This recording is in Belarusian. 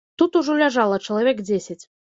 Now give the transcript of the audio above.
Тут ужо ляжала чалавек дзесяць.